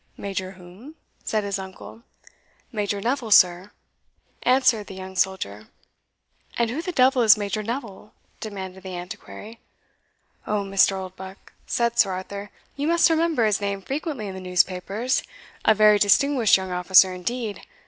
"Major whom?" said his uncle. "Major Neville, sir," answered the young soldier. "And who the devil is Major Neville?" demanded the Antiquary. "O, Mr. Oldbuck," said Sir Arthur, "you must remember his name frequently in the newspapers a very distinguished young officer indeed.